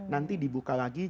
nanti dibuka lagi